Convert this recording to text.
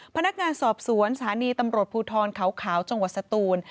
พนักงานสอบสวนสถานีตำรวจภูทรเขาขาวจังหวัดสตูน